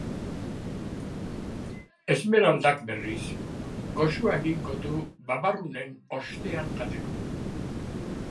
Esmeraldak, berriz, goxua egingo du babarrunen ostean jateko.